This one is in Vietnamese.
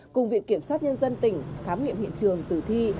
cùng viện kiểm sát nhân dân tỉnh khám nghiệm hiện trường tử thi